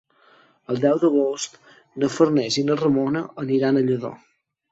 El deu d'agost na Farners i na Ramona aniran a Lladó.